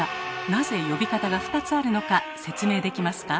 なぜ呼び方が２つあるのか説明できますか？